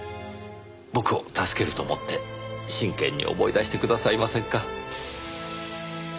僕を助けると思って真剣に思い出してくださいませんか？